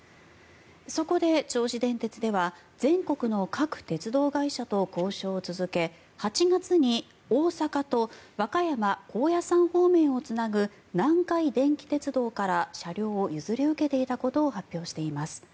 そこで銚子電鉄では全国の各鉄道会社と交渉を続け８月に大阪と和歌山・高野山方面をつなぐ南海電気鉄道から車両を譲り受けていたことを発表しています。